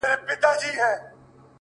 زه او زما ورته ياران!